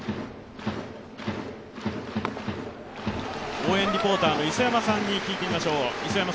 応援リポーターの磯山さんに聞いてみましょう。